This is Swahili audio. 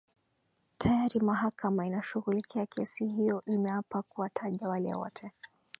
tayari mahakama inashughulikia kesi hiyo imeapa kuwataja wale wote